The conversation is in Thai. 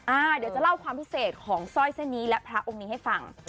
เดี๋ยวจะเล่าความพิเศษของสร้อยเส้นนี้และพระองค์นี้ให้ฟัง